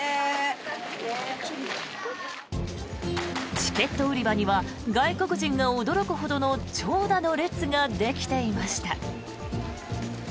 チケット売り場には外国人が驚くほどの長蛇の列ができていました。